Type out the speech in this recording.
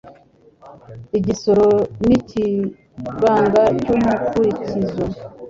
Igisoro n' Ikibanga cy'umukurikizo